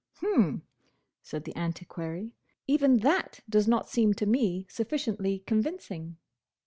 "H'm!" said the Antiquary. "Even that does not seem to me sufficiently convincing."